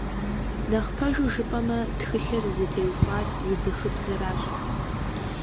Нэхъ пэжу жыпӀэмэ, тхылъыр зытеухуар убыхыбзэращ.